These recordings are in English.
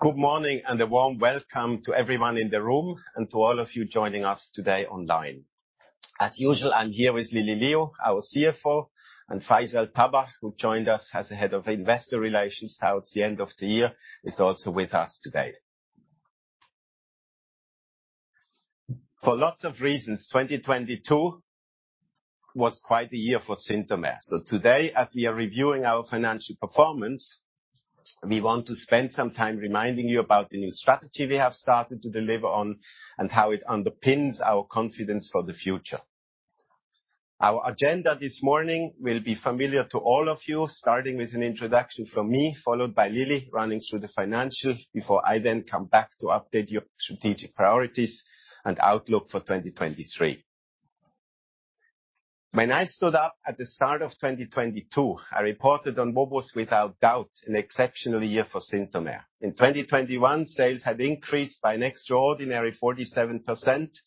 Good morning and a warm welcome to everyone in the room and to all of you joining us today online. As usual, I'm here with Lily Liu, our CFO, and Faisal Tabbah, who joined us as the head of investor relations towards the end of the year, is also with us today. For lots of reasons, 2022 was quite the year for Synthomer. Today, as we are reviewing our financial performance, we want to spend some time reminding you about the new strategy we have started to deliver on and how it underpins our confidence for the future. Our agenda this morning will be familiar to all of you, starting with an introduction from me, followed by Lily running through the financials before I then come back to update you on strategic priorities and outlook for 2023. When I stood up at the start of 2022, I reported on what was without doubt an exceptional year for Synthomer. In 2021, sales had increased by an extraordinary 47%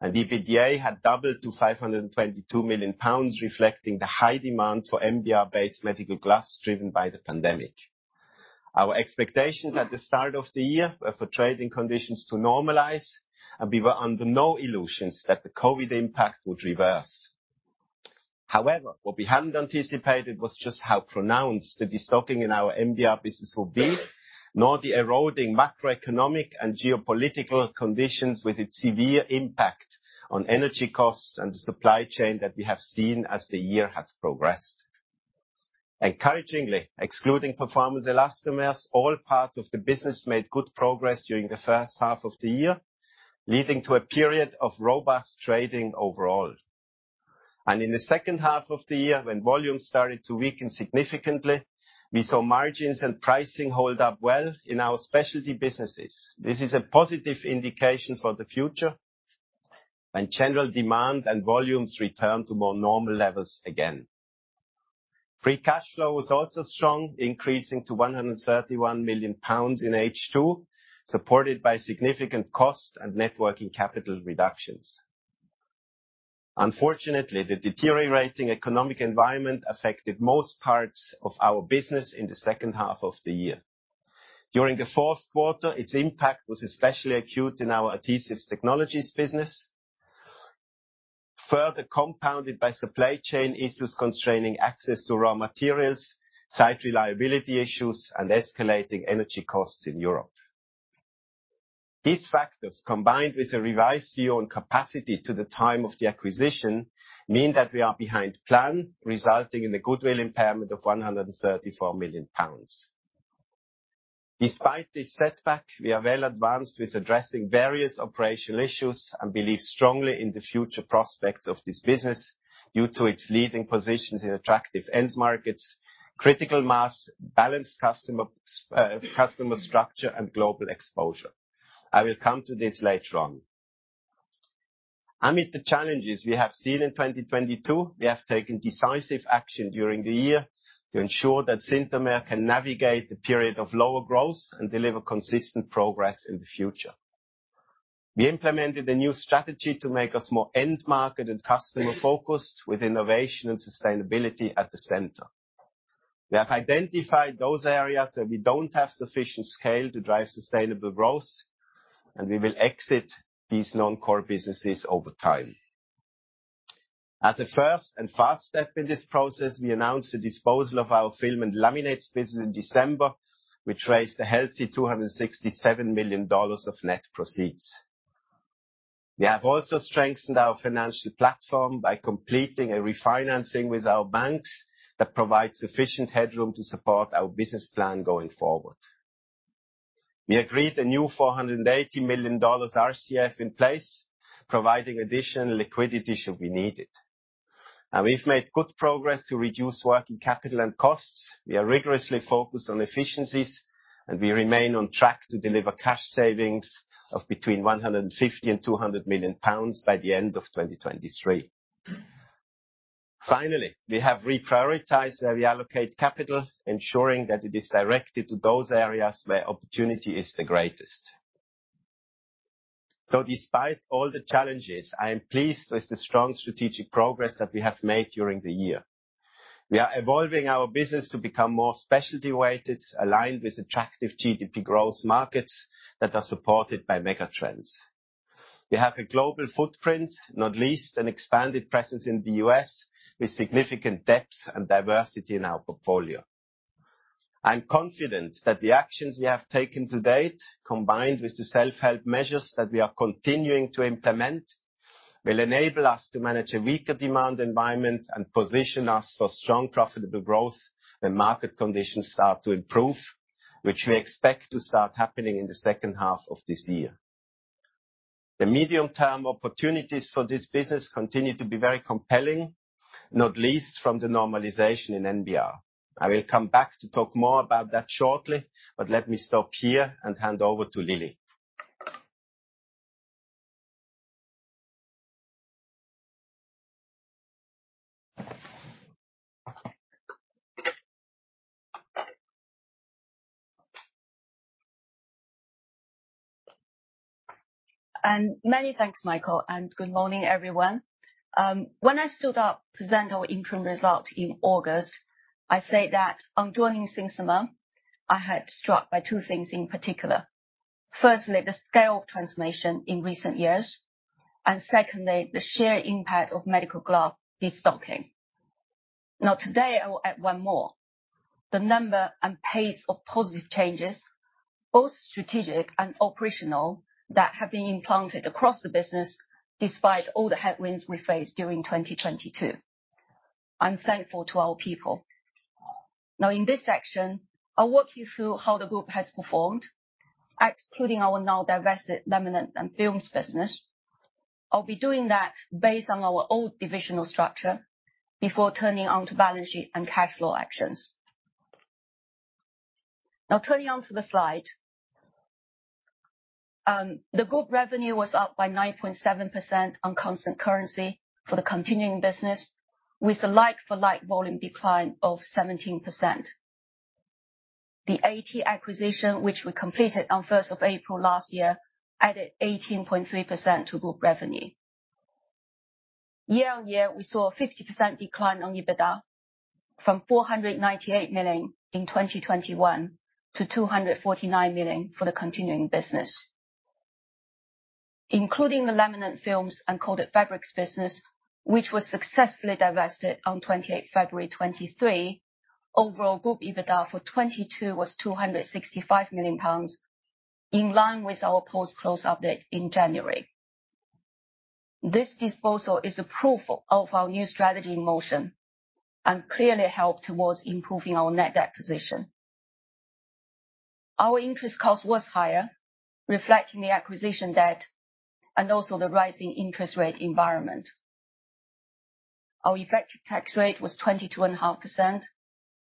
and EBITDA had doubled to 522 million pounds, reflecting the high demand for NBR-based medical gloves driven by the pandemic. Our expectations at the start of the year were for trading conditions to normalize, and we were under no illusions that the COVID impact would reverse. What we hadn't anticipated was just how pronounced the destocking in our NBR business would be, nor the eroding macroeconomic and geopolitical conditions with its severe impact on energy costs and the supply chain that we have seen as the year has progressed. Encouragingly, excluding Performance Elastomers, all parts of the business made good progress during the first half of the year, leading to a period of robust trading overall. In the second half of the year, when volumes started to weaken significantly, we saw margins and pricing hold up well in our specialty businesses. This is a positive indication for the future when general demand and volumes return to more normal levels again. Free cash flow was also strong, increasing to 131 million pounds in H2, supported by significant cost and net working capital reductions. Unfortunately, the deteriorating economic environment affected most parts of our business in the second half of the year. During the fourth quarter, its impact was especially acute in our Adhesive Technologies business, further compounded by supply chain issues constraining access to raw materials, site reliability issues, and escalating energy costs in Europe. These factors, combined with a revised view on capacity to the time of the acquisition, mean that we are behind plan, resulting in the goodwill impairment of 134 million pounds. Despite this setback, we are well advanced with addressing various operational issues and believe strongly in the future prospects of this business due to its leading positions in attractive end markets, critical mass, balanced customer structure, and global exposure. I will come to this later on. Amid the challenges we have seen in 2022, we have taken decisive action during the year to ensure that Synthomer can navigate the period of lower growth and deliver consistent progress in the future. We implemented a new strategy to make us more end-market and customer-focused, with innovation and sustainability at the center. We have identified those areas where we don't have sufficient scale to drive sustainable growth, we will exit these non-core businesses over time. As a first and fast step in this process, we announced the disposal of our film and laminates business in December, which raised a healthy $267 million of net proceeds. We have also strengthened our financial platform by completing a refinancing with our banks that provide sufficient headroom to support our business plan going forward. We agreed a new GBP 480 million RCF in place, providing additional liquidity should we need it. We've made good progress to reduce working capital and costs. We are rigorously focused on efficiencies, we remain on track to deliver cash savings of between 150 million and 200 million pounds by the end of 2023. We have reprioritized where we allocate capital, ensuring that it is directed to those areas where opportunity is the greatest. Despite all the challenges, I am pleased with the strong strategic progress that we have made during the year. We are evolving our business to become more specialty-weighted, aligned with attractive GDP growth markets that are supported by megatrends. We have a global footprint, not least an expanded presence in the U.S., with significant depth and diversity in our portfolio. I'm confident that the actions we have taken to date, combined with the self-help measures that we are continuing to implement, will enable us to manage a weaker demand environment and position us for strong, profitable growth when market conditions start to improve, which we expect to start happening in the second half of this year. The medium-term opportunities for this business continue to be very compelling, not least from the normalization in NBR. I will come back to talk more about that shortly. Let me stop here and hand over to Lily. Many thanks, Michael, and good morning, everyone. When I stood up present our interim results in August, I said that on joining Synthomer, I had struck by two things in particular. Firstly, the scale of transformation in recent years, and secondly, the share impact of medical glove destocking. Today, I will add one more. The number and pace of positive changes, both strategic and operational, that have been implanted across the business despite all the headwinds we faced during 2022. I'm thankful to our people. In this section, I'll walk you through how the group has performed, excluding our now divested Laminates and Films business. I'll be doing that based on our old divisional structure before turning on to balance sheet and cash flow actions. Turning on to the slide. The group revenue was up by 9.7% on constant currency for the continuing business, with a like-for-like volume decline of 17%. The AT acquisition, which we completed on April 1st last year, added 18.3% to group revenue. Year-on-year, we saw a 50% decline on EBITDA from 498 million in 2021 to 249 million for the continuing business. Including the Laminates, Films and Coated Fabrics business which was successfully divested on February 28, 2023, overall group EBITDA for 2022 was 265 million pounds, in line with our post-close update in January. This disposal is a proof of our new strategy in motion and clearly helped towards improving our net debt position. Our interest cost was higher, reflecting the acquisition debt and also the rising interest rate environment. Our effective tax rate was 22.5%,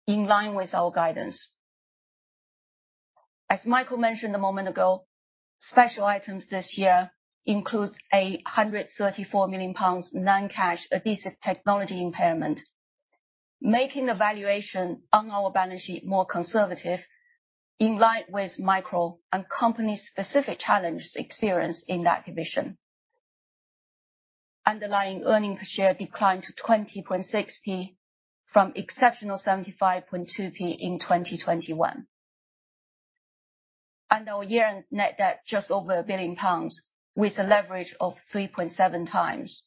in line with our guidance. As Michael mentioned a moment ago, special items this year includes a 134 million pounds non-cash Adhesive Technologies impairment, making the valuation on our balance sheet more conservative in line with micro and company-specific challenges experienced in that division. Underlying earning per share declined to 20.60p from exceptional 75.2p in 2021. Our year-end net debt just over 1 billion pounds, with a leverage of 3.7x.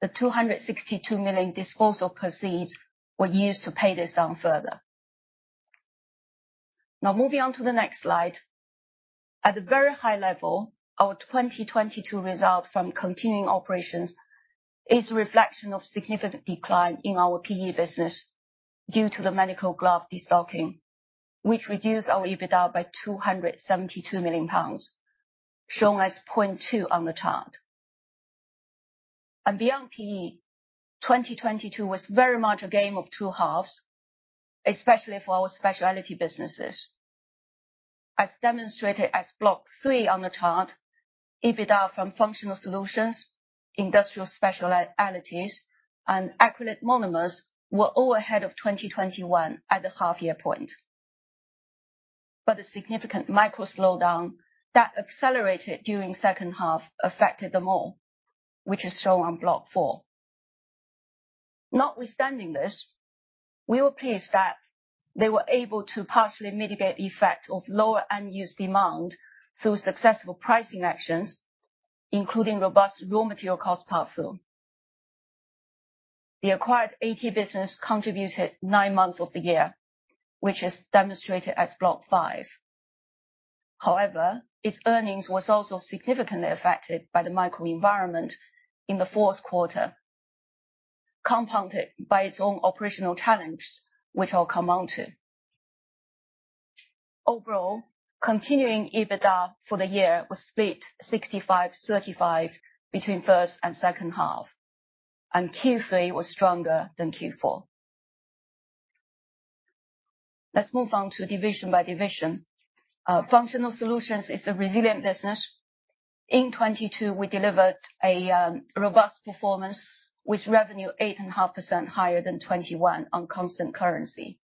The 262 million disposal proceeds were used to pay this down further. Now moving on to the next slide. At a very high level, our 2022 result from continuing operations is a reflection of significant decline in our PE business due to the medical glove destocking, which reduced our EBITDA by 272 million pounds, shown as point two on the chart. Beyond PE, 2022 was very much a game of two halves, especially for our specialty businesses. As demonstrated as Block 3 on the chart, EBITDA from Functional Solutions, Industrial Specialties, and Acrylate Monomers were all ahead of 2021 at the half-year point. The significant micro slowdown that accelerated during second half affected them all, which is shown on Block 4. Notwithstanding this, we were pleased that they were able to partially mitigate the effect of lower end-use demand through successful pricing actions, including robust raw material cost pass-through. The acquired AT business contributed nine months of the year, which is demonstrated as Block 5. Its earnings was also significantly affected by the microenvironment in the fourth quarter, compounded by its own operational challenge, which I'll come on to. Overall, continuing EBITDA for the year was split 65/35 between first and second half, and Q3 was stronger than Q4. Let's move on to division by division. Functional Solutions is a resilient business. In 2022, we delivered a robust performance with revenue 8.5% higher than 2021 on constant currency.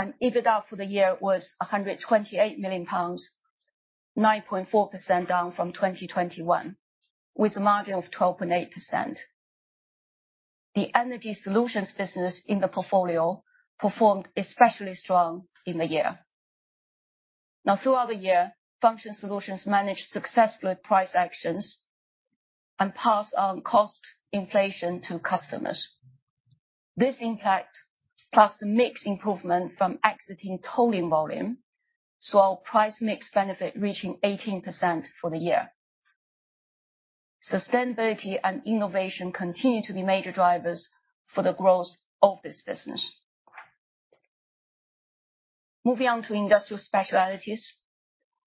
EBITDA for the year was 128 million pounds, 9.4% down from 2021, with a margin of 12.8%. The Energy Solutions business in the portfolio performed especially strong in the year. Throughout the year, Functional Solutions managed successful price actions and passed on cost inflation to customers. This impact, plus the mix improvement from exiting tolling volume, saw price mix benefit reaching 18% for the year. Sustainability and innovation continue to be major drivers for the growth of this business. Moving on to Industrial Specialities.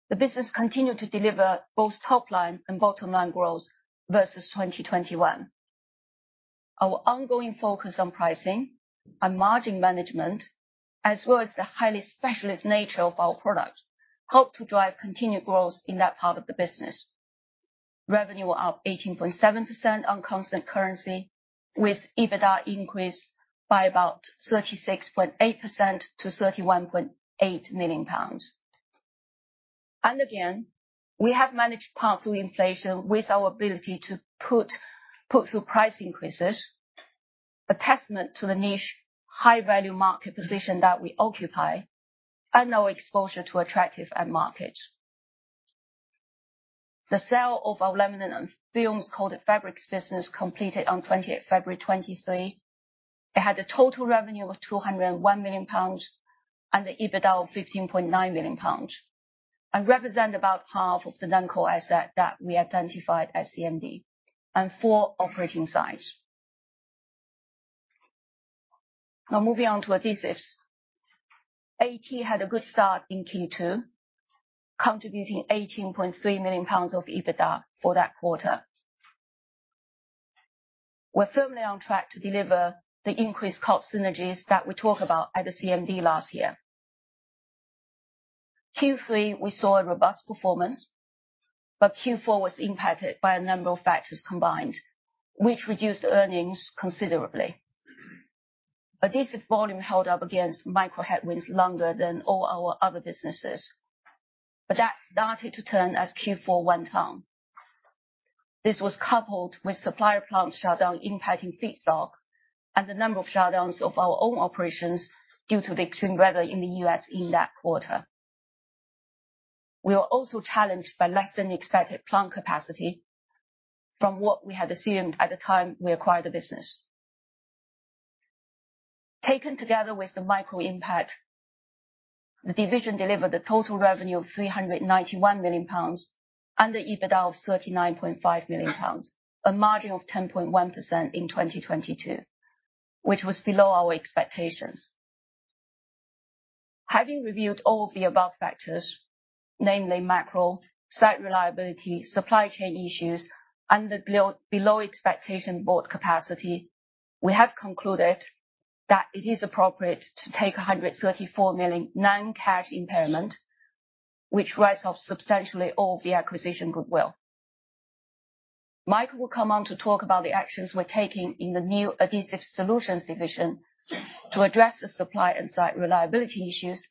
The business continued to deliver both top line and bottom line growth versus 2021. Our ongoing focus on pricing and margin management, as well as the highly specialist nature of our product, help to drive continued growth in that part of the business. Revenue up 18.7% on constant currency, with EBITDA increased by about 36.8% to 31.8 million pounds. Again, we have managed pass-through inflation with our ability to put through price increases, a testament to the niche high-value market position that we occupy and our exposure to attractive end markets. The sale of our Laminates, Films, and Coated Fabrics business completed on 20th February 2023. It had a total revenue of 201 million pounds and the EBITDA of 15.9 million pounds, and represent about half of the non-core asset that we identified at CMD and four operating sites. Moving on to Adhesives. AT had a good start in Q2, contributing 18.3 million pounds of EBITDA for that quarter. We're firmly on track to deliver the increased cost synergies that we talked about at the CMD last year. Q3, we saw a robust performance, Q4 was impacted by a number of factors combined, which reduced earnings considerably. Adhesive volume held up against macro headwinds longer than all our other businesses, That started to turn as Q4 went on. This was coupled with supplier plant shutdown impacting feedstock and the number of shutdowns of our own operations due to the extreme weather in the U.S. in that quarter. We are also challenged by less than expected plant capacity from what we had assumed at the time we acquired the business. Taken together with the macro impact, the division delivered a total revenue of 391 million pounds and the EBITDA of 39.5 million pounds, a margin of 10.1% in 2022, which was below our expectations. Having reviewed all of the above factors, namely macro, site reliability, supply chain issues, and the below expectation board capacity, we have concluded that it is appropriate to take a 134 million non-cash impairment, which writes off substantially all the acquisition goodwill. Mike will come on to talk about the actions we're taking in the new Adhesive Solutions division to address the supply and site reliability issues,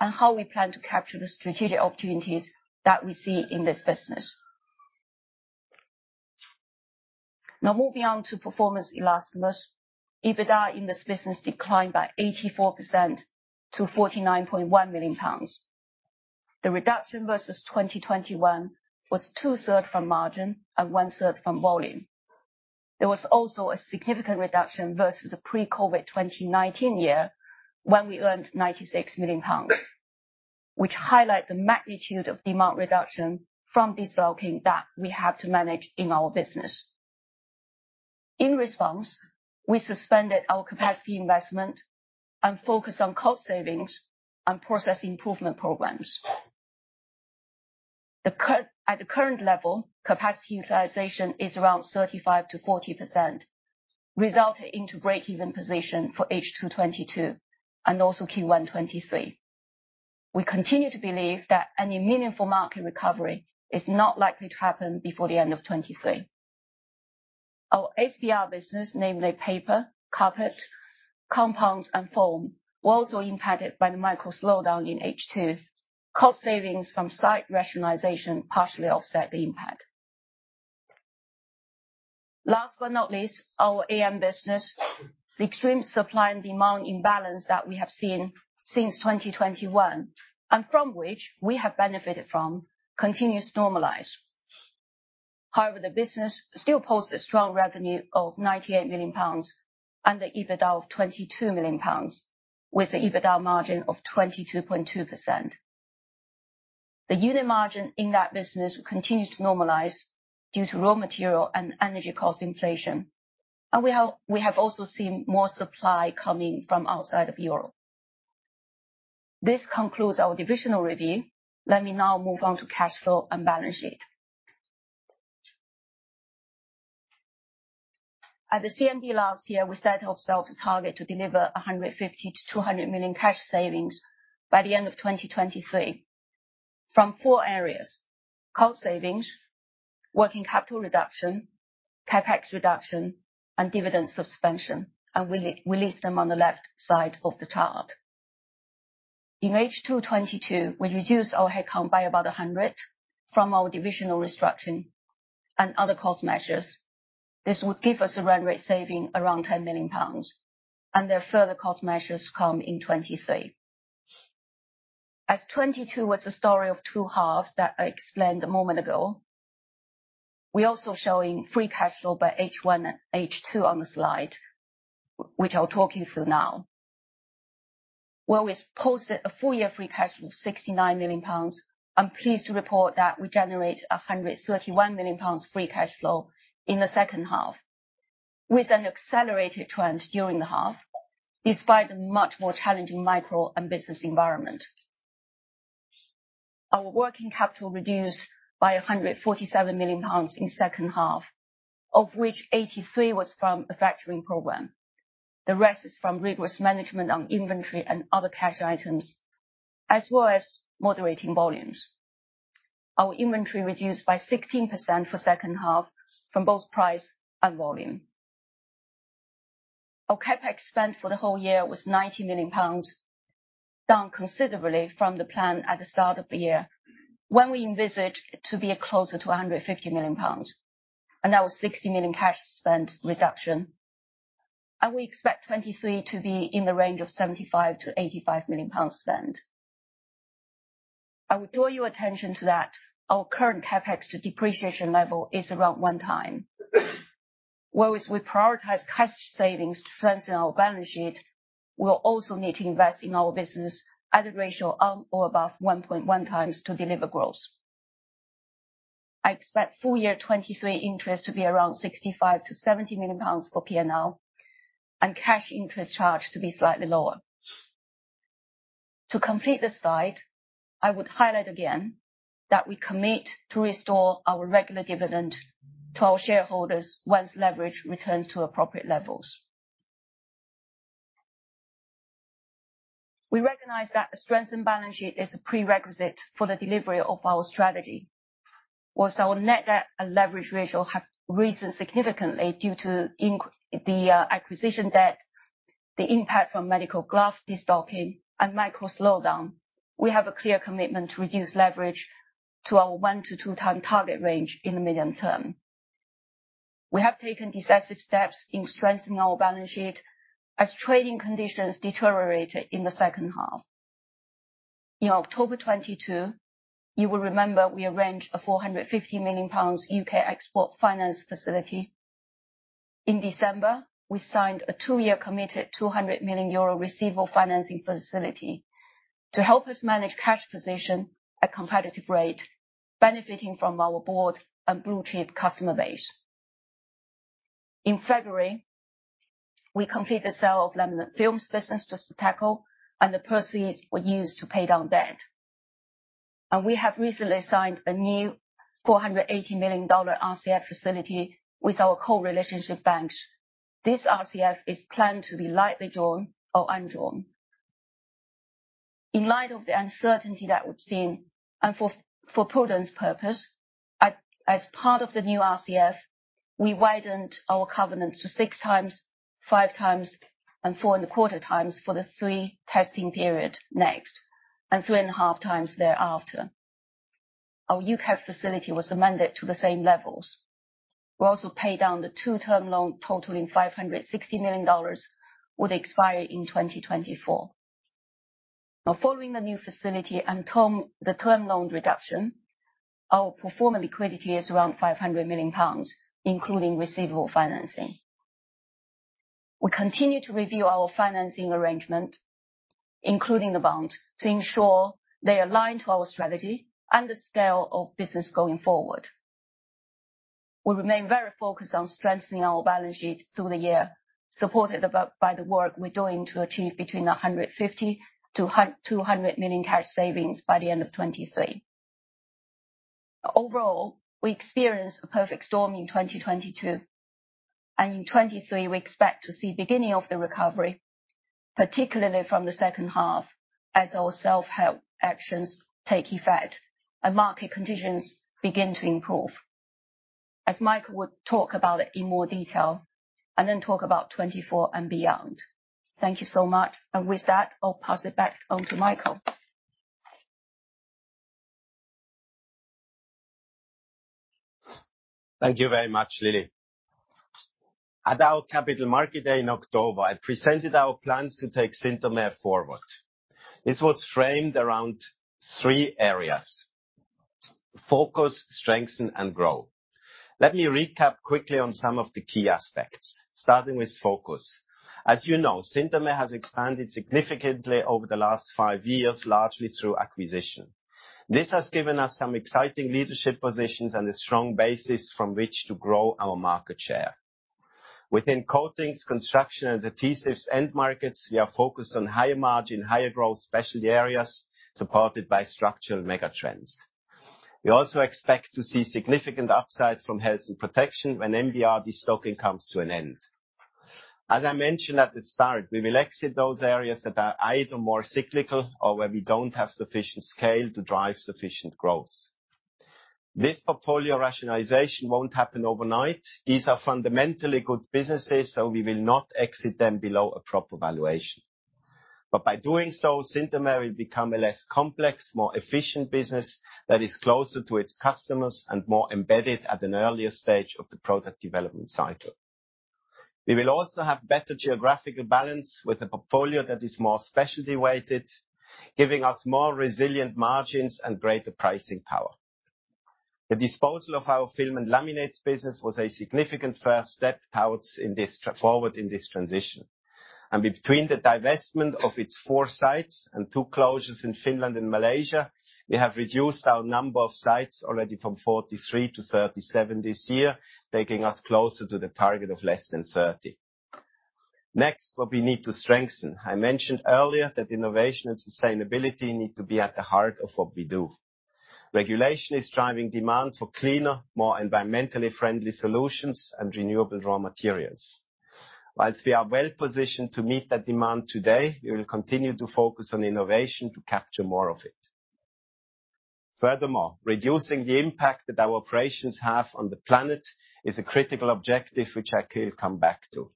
and how we plan to capture the strategic opportunities that we see in this business. Moving on to Performance Elastomers. EBITDA in this business declined by 84% to 49.1 million pounds. The reduction versus 2021 was 2/3 from margin and 1/3 from volume. There was also a significant reduction versus the pre-COVID 2019 year when we earned 96 million pounds, which highlight the magnitude of demand reduction from this blocking that we have to manage in our business. In response, we suspended our capacity investment and focused on cost savings and process improvement programs. At the current level, capacity utilization is around 35%-40%, resulting into breakeven position for H2 2022 and also Q1 2023. We continue to believe that any meaningful market recovery is not likely to happen before the end of 2023. Our PE business, namely paper, carpet, compounds, and foam, was also impacted by the macro slowdown in H2. Cost savings from site rationalization partially offset the impact. Last but not least, our AM business. The extreme supply and demand imbalance that we have seen since 2021, and from which we have benefited from, continues to normalize. The business still posts a strong revenue of 98 million pounds and the EBITDA of 22 million pounds, with the EBITDA margin of 22.2%. The unit margin in that business will continue to normalize due to raw material and energy cost inflation, we have also seen more supply coming from outside of Europe. This concludes our divisional review. Let me now move on to cash flow and balance sheet. At the CMD last year, we set ourselves a target to deliver 150 million-200 million cash savings by the end of 2023 from four areas: cost savings, working capital reduction, CapEx reduction, and dividend suspension. We list them on the left side of the chart. In H2 2022, we reduced our headcount by about 100 from our divisional restructuring and other cost measures. This would give us a run rate saving around 10 million pounds. There are further cost measures come in 2023. As 2022 was a story of two halves that I explained a moment ago, we're also showing free cash flow by H1 and H2 on the slide, which I'll talk you through now. While we posted a full year free cash flow of 69 million pounds, I'm pleased to report that we generate 131 million pounds free cash flow in the second half, with an accelerated trend during the half, despite the much more challenging macro and business environment. Our working capital reduced by 147 million pounds in second half, of which 83 million was from a factoring program. The rest is from rigorous management on inventory and other cash items. As well as moderating volumes. Our inventory reduced by 16% for second half from both price and volume. Our CapEx spend for the whole year was 90 million pounds, down considerably from the plan at the start of the year when we envisaged it to be closer to 150 million pounds, and that was 60 million cash spend reduction. We expect 2023 to be in the range of 75 million-85 million pounds spend. I will draw your attention to that. Our current CapEx to depreciation level is around 1x. Whereas we prioritize cash savings to strengthen our balance sheet, we'll also need to invest in our business at a ratio of or above 1.1 times to deliver growth. I expect full year 2023 interest to be around 65 million-70 million pounds for P&L, and cash interest charge to be slightly lower. To complete this slide, I would highlight again that we commit to restore our regular dividend to our shareholders once leverage returns to appropriate levels. We recognize that a strengthened balance sheet is a prerequisite for the delivery of our strategy. Whilst our net debt and leverage ratio have risen significantly due to the acquisition debt, the impact from medical glove destocking and macro slowdown, we have a clear commitment to reduce leverage to our 1x to 2x target range in the medium term. We have taken decisive steps in strengthening our balance sheet as trading conditions deteriorated in the second half. In October 2022, you will remember we arranged a 450 million pounds UK Export Finance facility. In December, we signed a two-year committed 200 million euro receivable financing facility to help us manage cash position at competitive rate, benefiting from our board and blue-chip customer base. In February, we completed the sale of Laminates Films business to Surteco, and the proceeds were used to pay down debt. We have recently signed a new $480 million RCF facility with our core relationship banks. This RCF is planned to be lightly drawn or undrawn. In light of the uncertainty that we've seen, for prudence purpose, as part of the new RCF, we widened our covenant to 6x, 5x and 4.25x for the three testing period next, and 3.5x thereafter. Our U.K. facility was amended to the same levels. We also paid down the two-term loan totaling $560 million with expiry in 2024. Following the new facility and the term loan reduction, our performing liquidity is around 500 million pounds, including receivable financing. We continue to review our financing arrangement, including the bond, to ensure they align to our strategy and the scale of business going forward. We remain very focused on strengthening our balance sheet through the year, supported by the work we're doing to achieve between 150 million-200 million cash savings by the end of 2023. Overall, we experienced a perfect storm in 2022. In 2023, we expect to see beginning of the recovery, particularly from the second half as our self-help actions take effect and market conditions begin to improve. As Michael will talk about it in more detail, then talk about 2024 and beyond. Thank you so much. With that, I'll pass it back on to Michael. Thank you very much, Lily. At our Capital Market Day in October, I presented our plans to take Synthomer forward. This was framed around three areas: focus, strengthen, and grow. Let me recap quickly on some of the key aspects, starting with focus. As you know, Synthomer has expanded significantly over the last five years, largely through acquisition. This has given us some exciting leadership positions and a strong basis from which to grow our market share. Within coatings, construction and adhesives end markets, we are focused on higher margin, higher growth specialty areas supported by structural mega trends. We also expect to see significant upside from Health & Protection when NBR destocking comes to an end. As I mentioned at the start, we will exit those areas that are either more cyclical or where we don't have sufficient scale to drive sufficient growth. This portfolio rationalization won't happen overnight. These are fundamentally good businesses, we will not exit them below a proper valuation. By doing so, Synthomer will become a less complex, more efficient business that is closer to its customers and more embedded at an earlier stage of the product development cycle. We will also have better geographical balance with a portfolio that is more specialty weighted, giving us more resilient margins and greater pricing power. The disposal of our Film and Laminates business was a significant first step towards forward in this transition. Between the divestment of its four sites and two closures in Finland and Malaysia, we have reduced our number of sites already from 43 to 37 this year, taking us closer to the target of less than 30. What we need to strengthen. I mentioned earlier that innovation and sustainability need to be at the heart of what we do. Regulation is driving demand for cleaner, more environmentally friendly solutions and renewable raw materials. Whilst we are well-positioned to meet that demand today, we will continue to focus on innovation to capture more of it. Furthermore, reducing the impact that our operations have on the planet is a critical objective which I could come back to.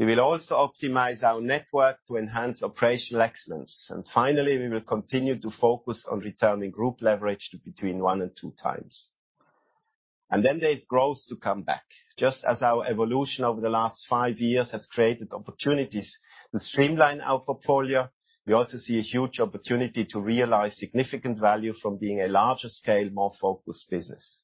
We will also optimize our network to enhance operational excellence. Finally, we will continue to focus on returning group leverage to between 1x and 2x. There is growth to come back, just as our evolution over the last five years has created opportunities to streamline our portfolio. We also see a huge opportunity to realize significant value from being a larger scale, more focused business.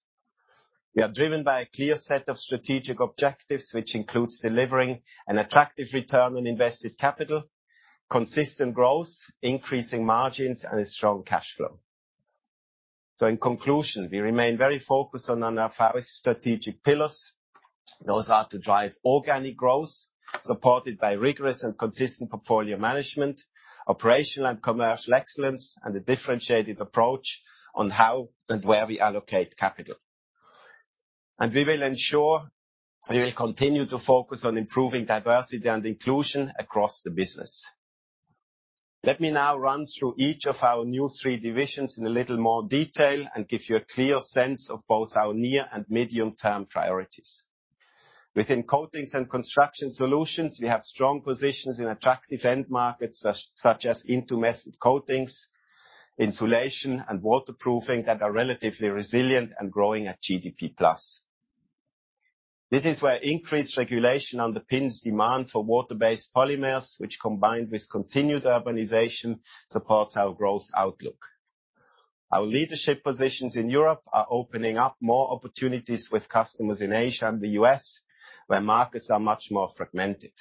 We are driven by a clear set of strategic objectives, which includes delivering an attractive return on invested capital, consistent growth, increasing margins, and a strong cash flow. In conclusion, we remain very focused on our five strategic pillars. Those are to drive organic growth, supported by rigorous and consistent portfolio management, operational and commercial excellence, and a differentiated approach on how and where we allocate capital. We will ensure we will continue to focus on improving diversity and inclusion across the business. Let me now run through each of our new three divisions in a little more detail and give you a clear sense of both our near and medium-term priorities. Within Coatings & Construction Solutions, we have strong positions in attractive end markets, such as intumescent coatings, insulation and waterproofing that are relatively resilient and growing at GDP+. This is where increased regulation underpins demand for water-based polymers, which, combined with continued urbanization, supports our growth outlook. Our leadership positions in Europe are opening up more opportunities with customers in Asia and the U.S., where markets are much more fragmented.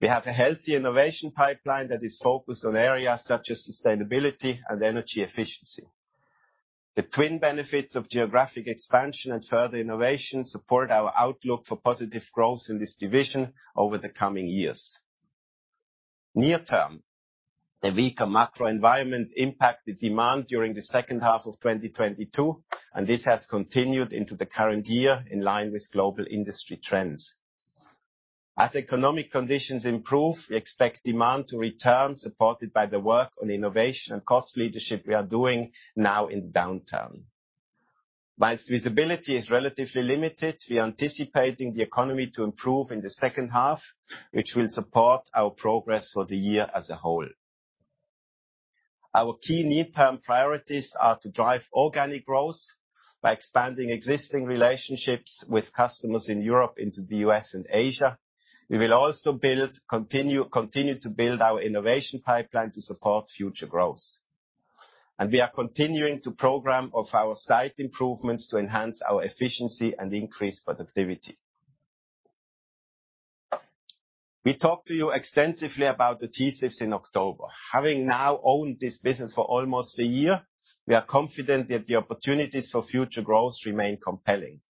We have a healthy innovation pipeline that is focused on areas such as sustainability and energy efficiency. The twin benefits of geographic expansion and further innovation support our outlook for positive growth in this division over the coming years. Near term, the weaker macro environment impacted demand during the second half of 2022, and this has continued into the current year in line with global industry trends. As economic conditions improve, we expect demand to return, supported by the work on innovation and cost leadership we are doing now in downturn. Whilst visibility is relatively limited, we are anticipating the economy to improve in the second half, which will support our progress for the year as a whole. Our key near-term priorities are to drive organic growth by expanding existing relationships with customers in Europe into the U.S. and Asia. We will also continue to build our innovation pipeline to support future growth. We are continuing to program of our site improvements to enhance our efficiency and increase productivity. We talked to you extensively about Adhesives in October. Having now owned this business for almost a year, we are confident that the opportunities for future growth remain compelling.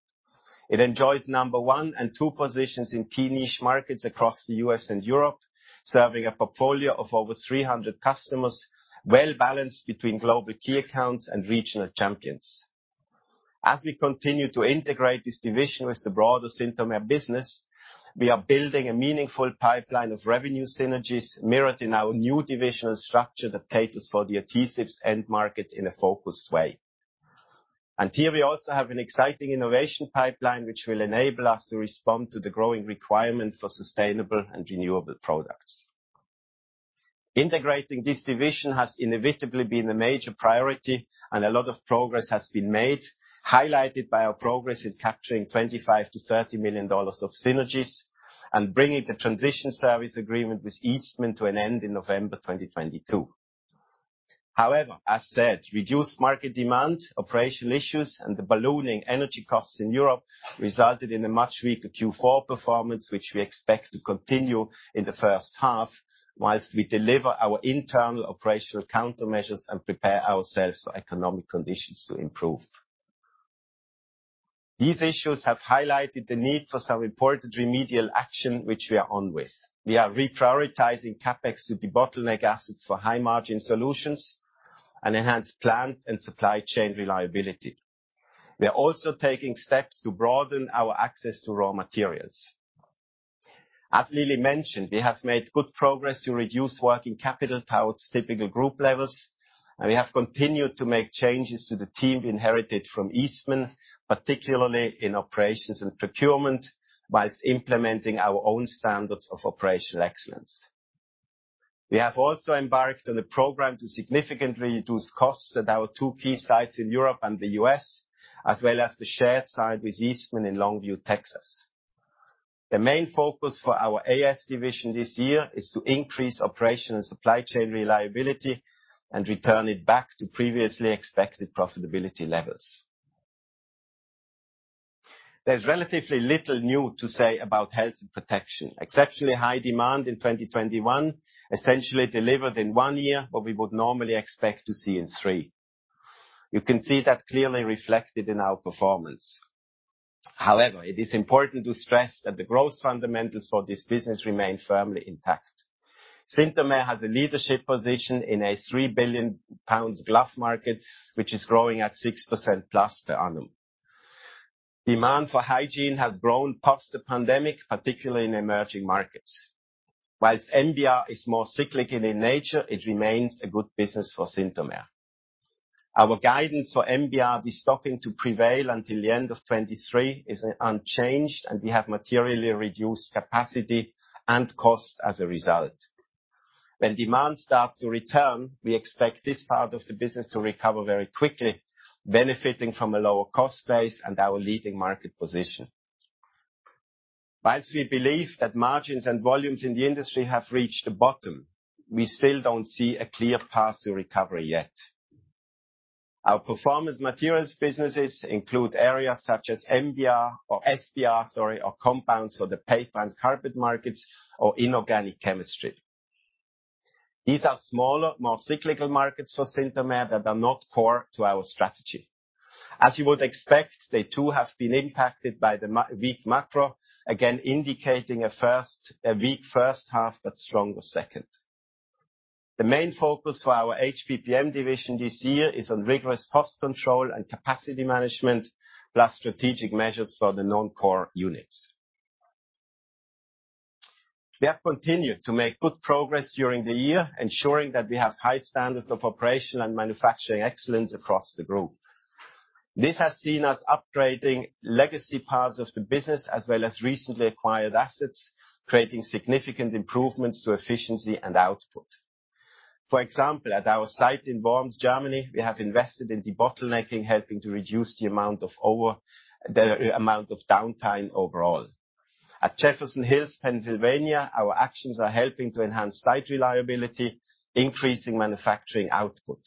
It enjoys number one and two positions in key niche markets across the U.S. and Europe, serving a portfolio of over 300 customers, well-balanced between global key accounts and regional champions. As we continue to integrate this division with the broader Synthomer business, we are building a meaningful pipeline of revenue synergies mirrored in our new divisional structure that caters for the adhesives end market in a focused way. Here we also have an exciting innovation pipeline, which will enable us to respond to the growing requirement for sustainable and renewable products. Integrating this division has inevitably been a major priority, and a lot of progress has been made, highlighted by our progress in capturing $25 million-$30 million of synergies and bringing the transition service agreement with Eastman to an end in November 2022. As said, reduced market demand, operational issues, and the ballooning energy costs in Europe resulted in a much weaker Q4 performance, which we expect to continue in the first half while we deliver our internal operational countermeasures and prepare ourselves for economic conditions to improve. These issues have highlighted the need for some important remedial action, which we are on with. We are reprioritizing CapEx to debottleneck assets for high-margin solutions and enhance plant and supply chain reliability. We are also taking steps to broaden our access to raw materials. As Lily mentioned, we have made good progress to reduce working capital towards typical group levels, and we have continued to make changes to the team we inherited from Eastman, particularly in operations and procurement, while implementing our own standards of operational excellence. We have also embarked on a program to significantly reduce costs at our two key sites in Europe and the U.S., as well as the shared site with Eastman in Longview, Texas. The main focus for our AS division this year is to increase operational supply chain reliability and return it back to previously expected profitability levels. There's relatively little new to say about Health & Protection. Exceptionally high demand in 2021 essentially delivered in one year what we would normally expect to see in three. You can see that clearly reflected in our performance. However, it is important to stress that the growth fundamentals for this business remain firmly intact. Synthomer has a leadership position in a 3 billion pounds glove market, which is growing at 6%+ per annum. Demand for hygiene has grown post the pandemic, particularly in emerging markets. NBR is more cyclical in nature, it remains a good business for Synthomer. Our guidance for NBR destocking to prevail until the end of 2023 is unchanged. We have materially reduced capacity and cost as a result. When demand starts to return, we expect this part of the business to recover very quickly, benefiting from a lower cost base and our leading market position. We believe that margins and volumes in the industry have reached the bottom, we still don't see a clear path to recovery yet. Our Performance Materials businesses include areas such as NBR or SPR or compounds for the paper and carpet markets or inorganic chemistry. These are smaller, more cyclical markets for Synthomer that are not core to our strategy. As you would expect, they too have been impacted by the weak macro, again indicating a weak first half but stronger second. The main focus for our HPPM division this year is on rigorous cost control and capacity management, plus strategic measures for the non-core units. We have continued to make good progress during the year, ensuring that we have high standards of operation and manufacturing excellence across the group. This has seen us upgrading legacy parts of the business, as well as recently acquired assets, creating significant improvements to efficiency and output. For example, at our site in Worms, Germany, we have invested in debottlenecking, helping to reduce the amount of downtime overall. At Jefferson Hills, Pennsylvania, our actions are helping to enhance site reliability, increasing manufacturing output.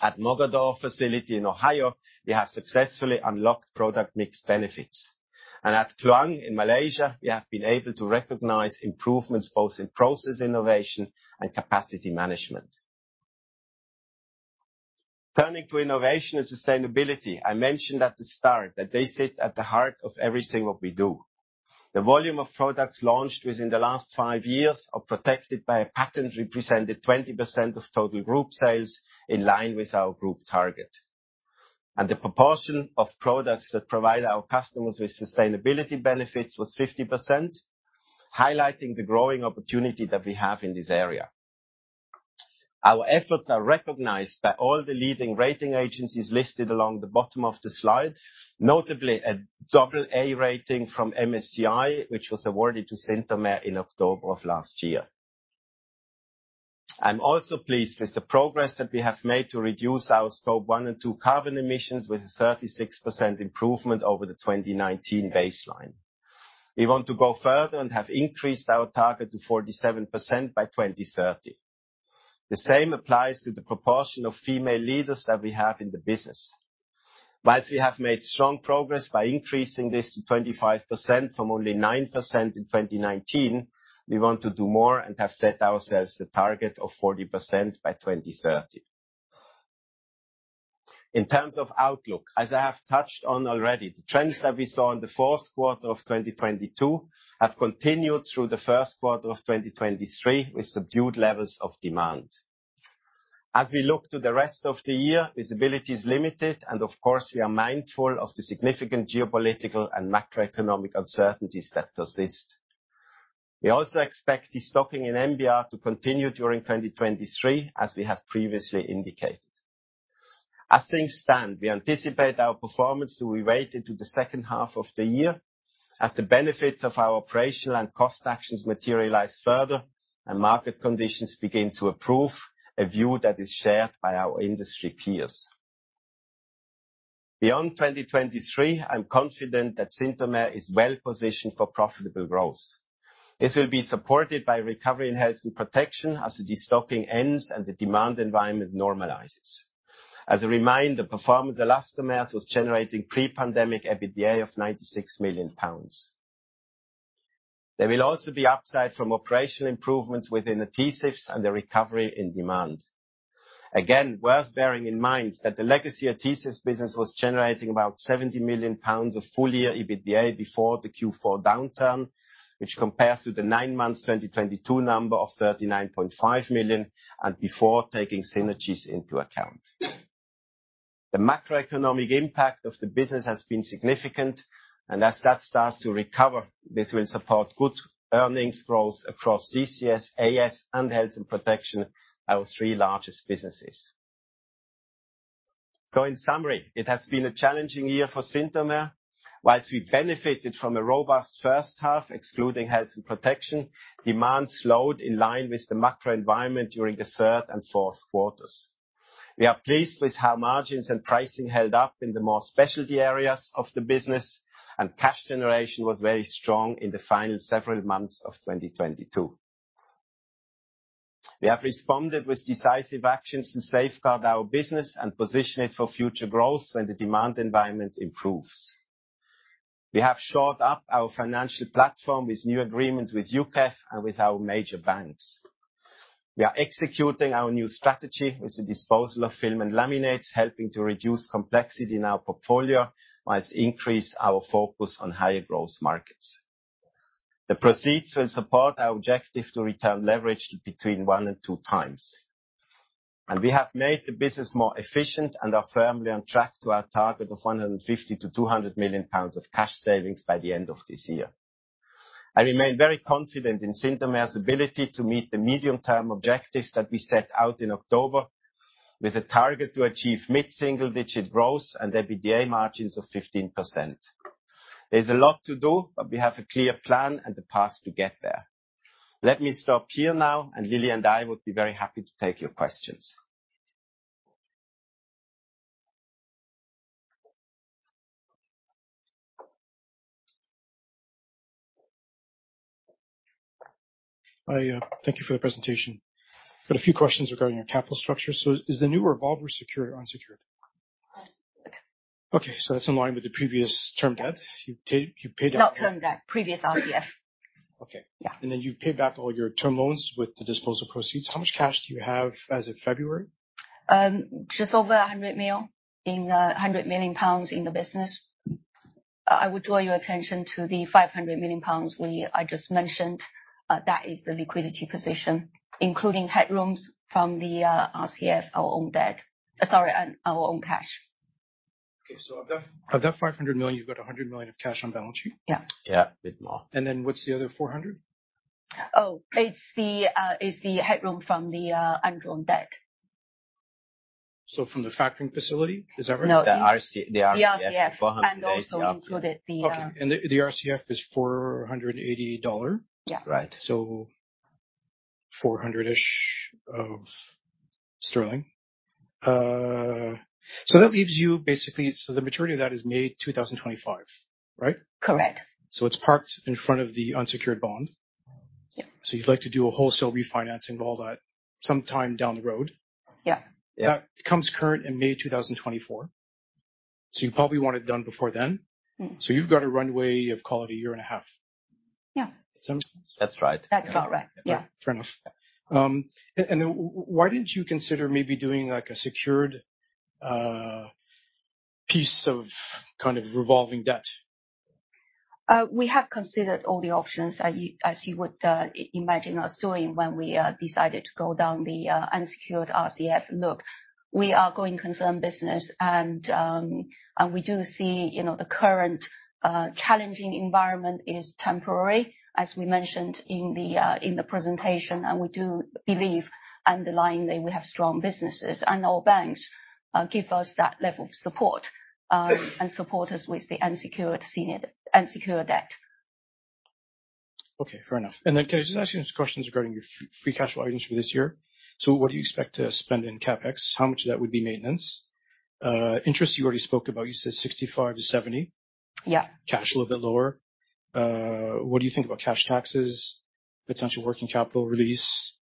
At Mogadore facility in Ohio, we have successfully unlocked product mix benefits. At Kluang in Malaysia, we have been able to recognize improvements both in process innovation and capacity management. Turning to innovation and sustainability, I mentioned at the start that they sit at the heart of everything what we do. The volume of products launched within the last five years are protected by a patent represented 20% of total group sales in line with our group target. The proportion of products that provide our customers with sustainability benefits was 50%, highlighting the growing opportunity that we have in this area. Our efforts are recognized by all the leading rating agencies listed along the bottom of the slide, notably a AA rating from MSCI, which was awarded to Synthomer in October of last year. I'm also pleased with the progress that we have made to reduce our Scope 1 and 2 carbon emissions with a 36% improvement over the 2019 baseline. We want to go further and have increased our target to 47% by 2030. The same applies to the proportion of female leaders that we have in the business. Whilst we have made strong progress by increasing this to 25% from only 9% in 2019, we want to do more and have set ourselves a target of 40% by 2030. In terms of outlook, as I have touched on already, the trends that we saw in Q4 2022 have continued through the Q1 2023 with subdued levels of demand. We look to the rest of the year, visibility is limited, and of course, we are mindful of the significant geopolitical and macroeconomic uncertainties that persist. We also expect destocking in NBR to continue during 2023, as we have previously indicated. Things stand, we anticipate our performance to weight into the second half of the year as the benefits of our operational and cost actions materialize further and market conditions begin to improve, a view that is shared by our industry peers. Beyond 2023, I'm confident that Synthomer is well-positioned for profitable growth. This will be supported by recovery in Health & Protection as the destocking ends and the demand environment normalizes. A reminder, Performance Elastomers was generating pre-pandemic EBITDA of 96 million pounds. There will also be upside from operational improvements within the TASICs and the recovery in demand. Worth bearing in mind that the legacy of TASICs business was generating about 70 million pounds of full-year EBITDA before the Q4 downturn, which compares to the nine months 2022 number of 39.5 million and before taking synergies into account. The macroeconomic impact of the business has been significant, and as that starts to recover, this will support good earnings growth across CCS, AS, and Health & Protection, our three largest businesses. In summary, it has been a challenging year for Synthomer. Whilst we benefited from a robust first half, excluding Health & Protection, demand slowed in line with the macro environment during the third and fourth quarters. We are pleased with how margins and pricing held up in the more specialty areas of the business, and cash generation was very strong in the final several months of 2022. We have responded with decisive actions to safeguard our business and position it for future growth when the demand environment improves. We have shored up our financial platform with new agreements with UKEF and with our major banks. We are executing our new strategy with the disposal of Film and Laminates, helping to reduce complexity in our portfolio, while increase our focus on higher growth markets. The proceeds will support our objective to return leverage to between 1x and 2x. We have made the business more efficient and are firmly on track to our target of 150 million-200 million pounds of cash savings by the end of this year. I remain very confident in Synthomer's ability to meet the medium-term objectives that we set out in October, with a target to achieve mid-single digit growth and EBDA margins of 15%. There's a lot to do, but we have a clear plan and the path to get there. Let me stop here now, and Lily and I would be very happy to take your questions. I thank you for the presentation. Got a few questions regarding your capital structure. Is the new revolver secured or unsecured? Secured. Okay. That's in line with the previous term debt. You paid up. Not term debt. Previous RCF. Okay. Yeah. You've paid back all your term loans with the disposal proceeds. How much cash do you have as of February? Just over 100 million pounds. In 100 million pounds in the business. I would draw your attention to the 500 million pounds I just mentioned. That is the liquidity position, including headrooms from the RCF, our own debt. Sorry, and our own cash. Okay. Of that, of that 500 million, you've got 100 million of cash on balance sheet? Yeah. Yeah. Bit more. What's the other 400? It's the headroom from the undrawn debt. From the factoring facility, is that right? No. The RCF. The RCF. GBP 480 RCF. Also included the. Okay. the RCF is $480? Yeah. Right. 400-ish sterling. That leaves you basically... The maturity of that is May 2025, right? Correct. It's parked in front of the unsecured bond. Yeah. You'd like to do a wholesale refinancing of all that sometime down the road. Yeah. Yeah. That becomes current in May 2024. You probably want it done before then. Mm-hmm. You've got a runway of, call it, a year and a half. Yeah. Makes sense? That's right. That's about right. Yeah. Fair enough. Why didn't you consider maybe doing, like, a secured piece of kind of revolving debt? We have considered all the options, as you would imagine us doing when we decided to go down the unsecured RCF look. We are going concern business, and we do see, you know, the current challenging environment is temporary, as we mentioned in the presentation. We do believe underlying that we have strong businesses, and our banks give us that level of support, and support us with the unsecured debt. Okay. Fair enough. Can I just ask you some questions regarding your free cash flow items for this year? What do you expect to spend in CapEx? How much of that would be maintenance? Interest you already spoke about. You said 65 million-70 million. Yeah. Cash, a little bit lower. What do you think about cash taxes, potential working capital release?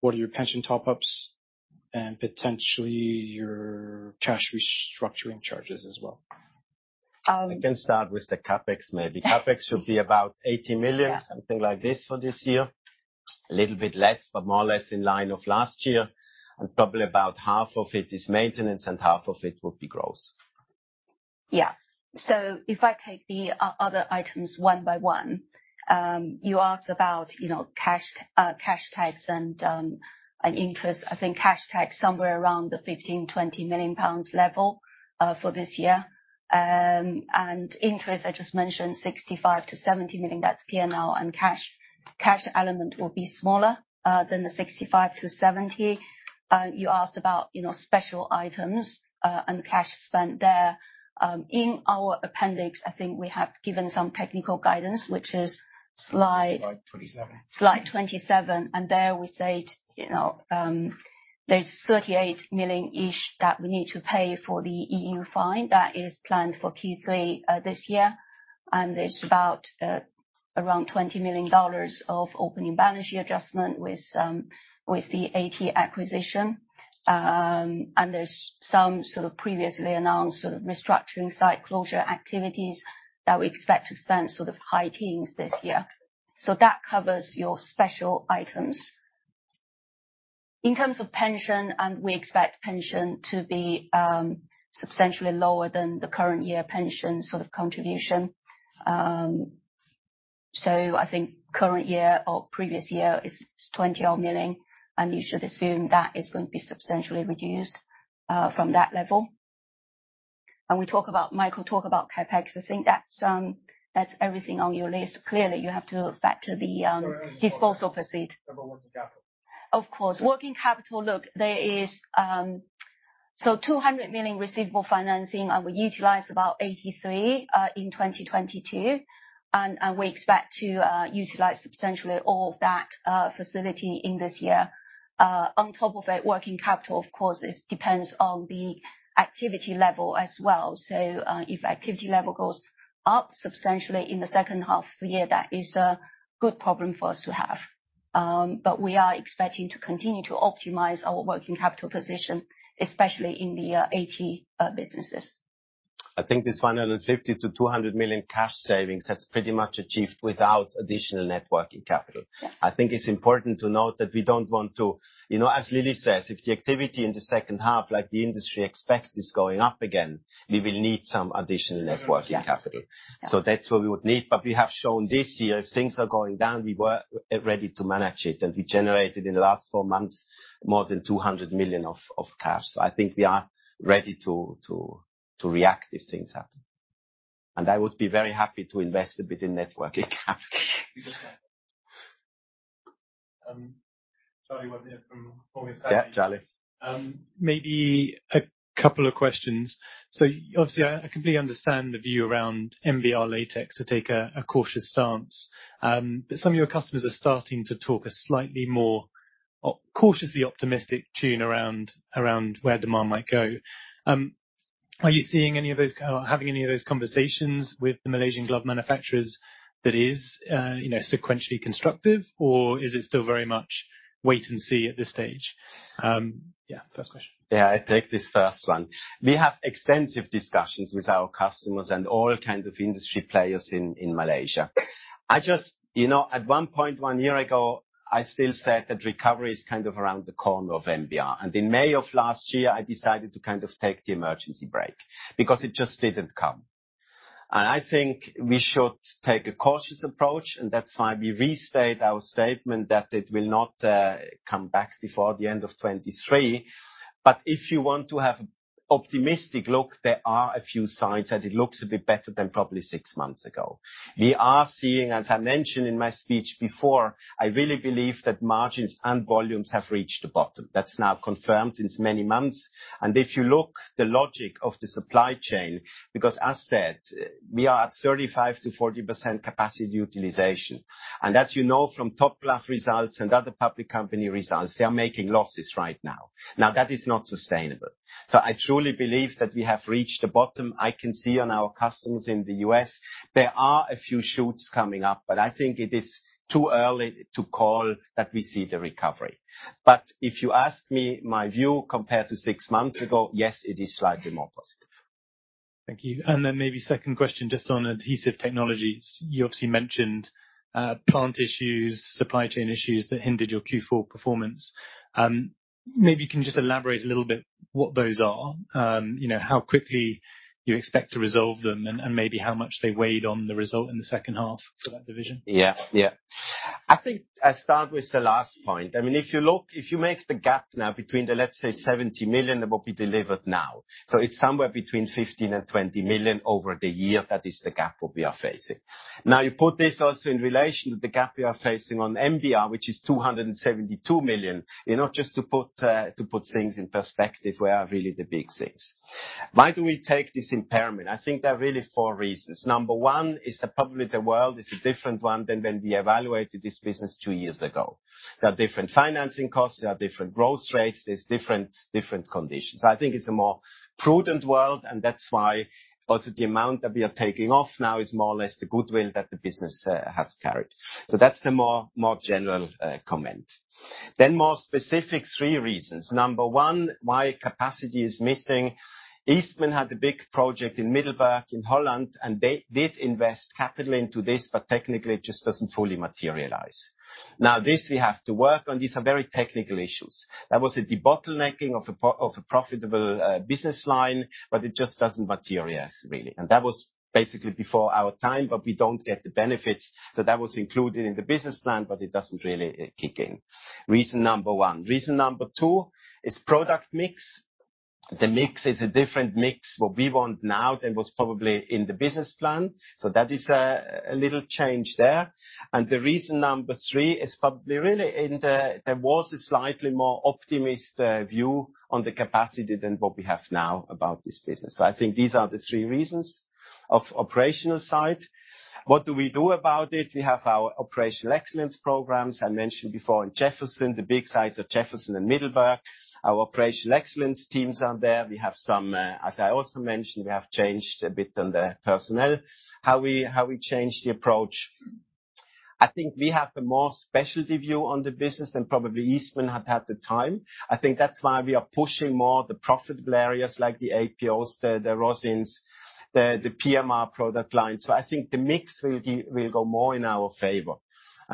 What are your pension top-ups and potentially your cash restructuring charges as well? Um- I can start with the CapEx, maybe. CapEx should be about 80 million. Yeah. Something like this for this year. A little bit less, but more or less in line of last year. Probably about half of it is maintenance and half of it will be gross. Yeah. If I take the other items one by one, you asked about, you know, cash tags and interest. I think cash tag is somewhere around the 15 million-20 million pounds level for this year. Interest, I just mentioned 65 million-70 million. That's P&L. Cash element will be smaller than the 65 million-70 million. You asked about, you know, special items and cash spent there. In our appendix, I think we have given some technical guidance, which is slide. Slide 27. Slide 27, there we said, you know, there's 38 million-ish that we need to pay for the EU fine. That is planned for Q3 this year. There's about around $20 million of opening balance sheet adjustment with the AT acquisition. There's some sort of previously announced sort of restructuring site closure activities that we expect to spend sort of high teens this year. That covers your special items. In terms of pension, we expect pension to be substantially lower than the current year pension sort of contribution. I think current year or previous year is 20 million, and you should assume that is going to be substantially reduced from that level. Michael talk about CapEx. I think that's everything on your list. Clearly, you have to factor the disposal proceed. What about working capital? Of course. Working capital. Look, there is 200 million receivable financing. We utilized about 83 million in 2022. We expect to utilize substantially all of that facility in this year. On top of it, working capital, of course, is depends on the activity level as well. If activity level goes up substantially in the second half of the year, that is a good problem for us to have. We are expecting to continue to optimize our working capital position, especially in the AT businesses. I think this 550 million-200 million cash savings, that's pretty much achieved without additional net working capital. Yeah. I think it's important to note that we don't want to. You know, as Lily says, if the activity in the second half, like the industry expects, is going up again, we will need some additional net working capital. Yeah. That's what we would need. We have shown this year, if things are going down, we were ready to manage it, and we generated in the last four months, more than 200 million of cash. I think we are ready to react if things happen. I would be very happy to invest a bit in net working capital. Charlie Webb here from Morgan Stanley. Yeah, Charlie. Maybe a couple of questions. Obviously, I completely understand the view around NBR latex to take a cautious stance. Some of your customers are starting to talk a slightly more cautiously optimistic tune around where demand might go. Are you seeing any of those or having any of those conversations with the Malaysian glove manufacturers that is, you know, sequentially constructive, or is it still very much wait and see at this stage? First question. Yeah, I take this first one. We have extensive discussions with our customers and all kind of industry players in Malaysia. You know, at one point, one year ago, I still said that recovery is kind of around the corner of NBR. In May of last year, I decided to kind of take the emergency break because it just didn't come. I think we should take a cautious approach, and that's why we restate our statement that it will not come back before the end of 2023. If you want to have optimistic look, there are a few signs that it looks a bit better than probably six months ago. We are seeing, as I mentioned in my speech before, I really believe that margins and volumes have reached the bottom. That's now confirmed since many months. If you look the logic of the supply chain, because as said, we are at 35%-40% capacity utilization. As you know, from Top Glove results and other public company results, they are making losses right now. That is not sustainable. I truly believe that we have reached the bottom. I can see on our customers in the U.S., there are a few shoots coming up, but I think it is too early to call that we see the recovery. If you ask me, my view compared to six months ago, yes, it is slightly more positive. Thank you. Maybe second question, just on Adhesive Technologies? You obviously mentioned, plant issues, supply chain issues that hindered your Q4 performance. Maybe you can just elaborate a little bit what those are, you know, how quickly you expect to resolve them and maybe how much they weighed on the result in the second half for that division? Yeah. Yeah. I think I start with the last point. I mean, if you look, if you make the gap now between the, let's say, 70 million that will be delivered now. It's somewhere between 15 million and 20 million over the year. That is the gap what we are facing. You put this also in relation to the gap we are facing on NBR, which is 272 million. You know, just to put things in perspective, where are really the big things. Why do we take this impairment? I think there are really four reasons. Number one is that probably the world is a different one than when we evaluated this business two years ago. There are different financing costs, there are different growth rates, there's different conditions. I think it's a more prudent world, and that's why also the amount that we are taking off now is more or less the goodwill that the business has carried. That's the more, more general comment. More specific three reasons. Number one, why capacity is missing. Eastman had a big project in Middelburg in Holland, and they did invest capital into this, but technically, it just doesn't fully materialize. This we have to work on. These are very technical issues. That was a debottlenecking of a profitable business line, but it just doesn't materialize really. That was basically before our time, but we don't get the benefits. That was included in the business plan, but it doesn't really kick in. Reason number one. Reason number two is product mix. The mix is a different mix, what we want now than was probably in the business plan. That is a little change there. The reason number three is probably, really there was a slightly more optimist view on the capacity than what we have now about this business. I think these are the three reasons of operational side. What do we do about it? We have our operational excellence programs. I mentioned before in Jefferson, the big sites of Jefferson and Middelburg. Our operational excellence teams are there. We have some, as I also mentioned, we have changed a bit on the personnel. How we change the approach? I think we have the more specialty view on the business than probably Eastman had at the time. I think that's why we are pushing more the profitable areas like the APOs, the resins, the PMR product line. I think the mix will go more in our favor.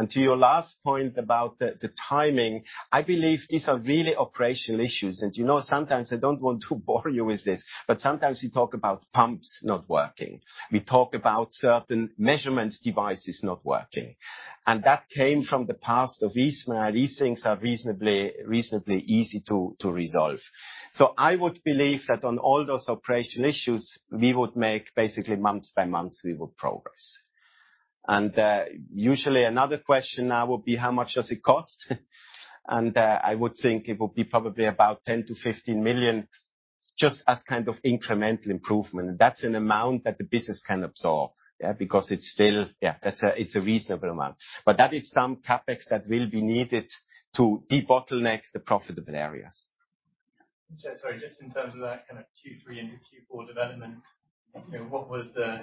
To your last point about the timing, I believe these are really operational issues. You know, sometimes I don't want to bother you with this, but sometimes we talk about pumps not working. We talk about certain measurements devices not working. That came from the past of Eastman. These things are reasonably easy to resolve. I would believe that on all those operational issues, we would make basically month by month we would progress. Usually another question now will be how much does it cost? I would think it will be probably about 10 million-15 million, just as kind of incremental improvement. That's an amount that the business can absorb, yeah, because it's still... Yeah, that's a, it's a reasonable amount. That is some CapEx that will be needed to debottleneck the profitable areas. Just in terms of that kinda Q3 into Q4 development, you know, what was the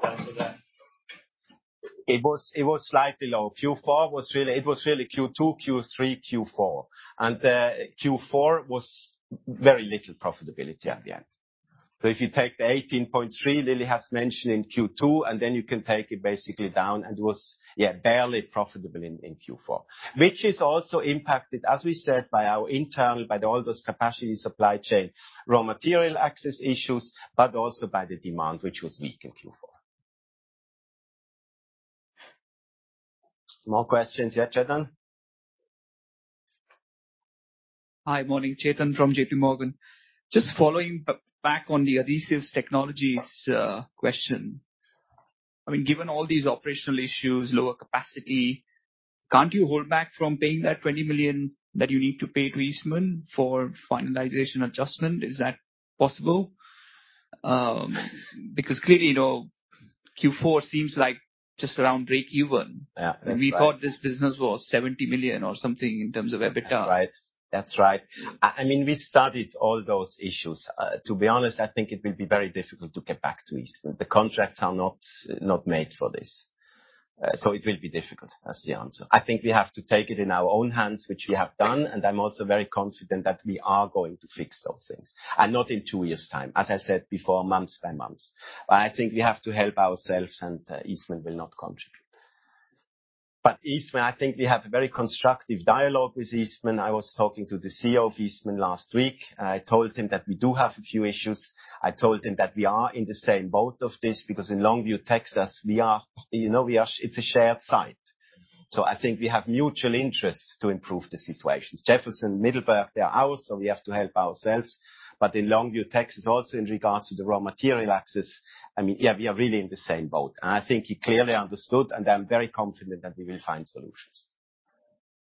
depth of that. It was slightly low. It was really Q2, Q3, Q4, and Q4 was very little profitability at the end. If you take the 18.3 Lily has mentioned in Q2, and then you can take it basically down, and it was, yeah, barely profitable in Q4. Which is also impacted, as we said, by our internal, by all those capacity supply chain, raw material access issues, but also by the demand, which was weak in Q4. More questions. Yeah, Chetan. Hi. Morning. Chetan from JPMorgan. Just following back on the Adhesive Technologies question. I mean, given all these operational issues, lower capacity, can't you hold back from paying that 20 million that you need to pay to Eastman for finalization adjustment? Is that possible? Clearly, you know, Q4 seems like just around breakeven. Yeah. That's right. We thought this business was 70 million or something in terms of EBITDA. That's right. That's right. I mean, we studied all those issues. To be honest, I think it will be very difficult to get back to Eastman. The contracts are not made for this. So it will be difficult. That's the answer. I think we have to take it in our own hands, which we have done, and I'm also very confident that we are going to fix those things. And not in two years' time, as I said before, months by months. But I think we have to help ourselves, and Eastman will not contribute. But Eastman, I think we have a very constructive dialogue with Eastman. I was talking to the CEO of Eastman last week. I told him that we do have a few issues. I told him that we are in the same boat of this because in Longview, Texas, we are, you know, it's a shared site. I think we have mutual interests to improve the situation. Jefferson, Middelburg, they are ours, so we have to help ourselves. In Longview, Texas, also in regards to the raw material access, I mean, yeah, we are really in the same boat. I think he clearly understood, and I'm very confident that we will find solutions.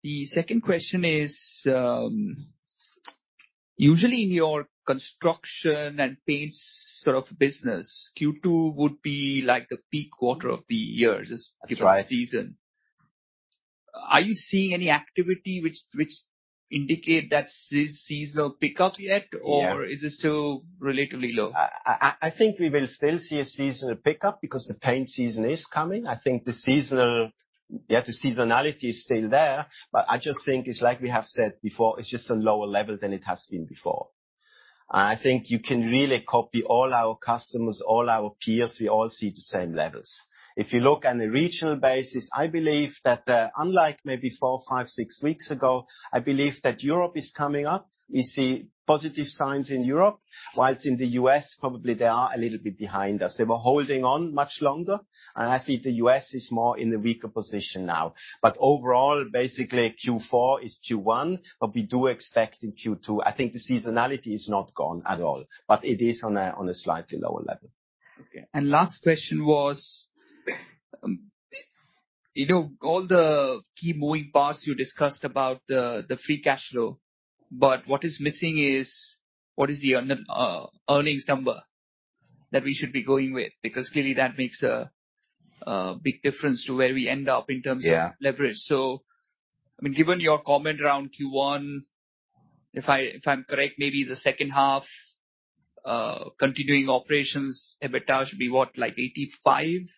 The second question is, usually in your construction and paints sort of business, Q2 would be like the peak quarter of the year. That's right. Just given season. Are you seeing any activity which indicate that seasonal pickup yet? Yeah. Is it still relatively low? I think we will still see a seasonal pickup because the paint season is coming. I think the seasonal. Yeah, the seasonality is still there, but I just think it's like we have said before, it's just a lower level than it has been before. I think you can really copy all our customers, all our peers, we all see the same levels. If you look on a regional basis, I believe that, unlike maybe four, five, six weeks ago, I believe that Europe is coming up. We see positive signs in Europe. While in the U.S., probably they are a little bit behind us. They were holding on much longer, and I think the U.S. is more in a weaker position now. Overall, basically Q4 is Q1, but we do expect in Q2. I think the seasonality is not gone at all, but it is on a slightly lower level. Okay. Last question was, you know, all the key moving parts you discussed about the free cash flow, but what is missing is what is the earnings number that we should be going with? Clearly, that makes a big difference to where we end up in terms of. Yeah. leverage. I mean, given your comment around Q1, if I'm correct, maybe the second half, continuing operations EBITDA should be what? Like 85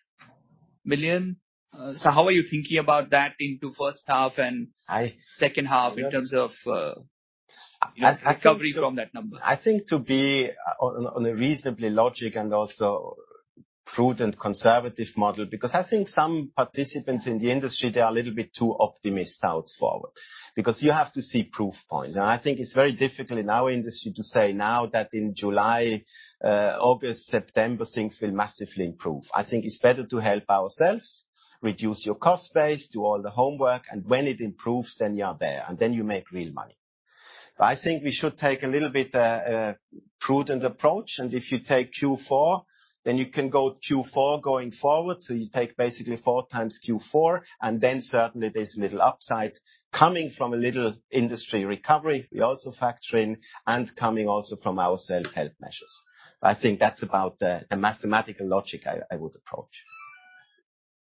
million? How are you thinking about that into first half and... I- Second half in terms of recovery from that number? I think to be on a reasonably logic and also prudent conservative model, because I think some participants in the industry, they are a little bit too optimistic out forward. You have to see proof points. I think it's very difficult in our industry to say now that in July, August, September, things will massively improve. I think it's better to help ourselves, reduce your cost base, do all the homework, and when it improves, then you are there, and then you make real money. I think we should take a little bit prudent approach. If you take Q4, then you can go Q4 going forward. You take basically four times Q4, then certainly there's a little upside coming from a little industry recovery. We also factor in and coming also from our self-help measures. I think that's about the mathematical logic I would approach.